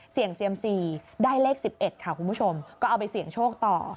เซียมซีได้เลข๑๑ค่ะคุณผู้ชมก็เอาไปเสี่ยงโชคต่อ